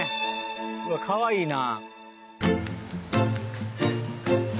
うわっかわいいな。